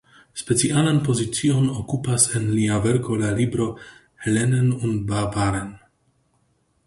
Specialan pozicion okupas en lia verko la libro "Hellenen und Barbaren.